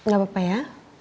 gak apa apa ya